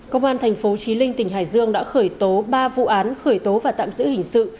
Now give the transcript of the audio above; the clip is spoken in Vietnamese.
công an thành phố trí linh tỉnh hải dương đã khởi tố ba vụ án khởi tố và tạm giữ hình sự